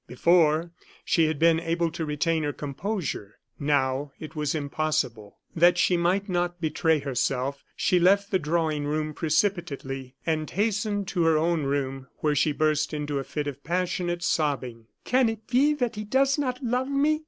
Before, she had been able to retain her composure; now, it was impossible. That she might not betray herself, she left the drawing room precipitately and hastened to her own room, where she burst into a fit of passionate sobbing. "Can it be that he does not love me?"